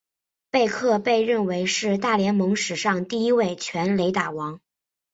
贝克被认为是大联盟史上第一位全垒打王。